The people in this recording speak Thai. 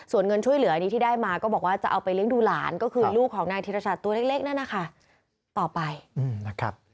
ส่วนเงินช่วยเหลือที่ได้มาก็บอกว่าจะเอาไปเลี้ยงดูหลาน